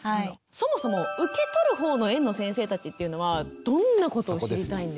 そもそも受け取る方の園の先生たちっていうのはどんなことを知りたいんですか？